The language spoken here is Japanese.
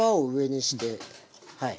はい。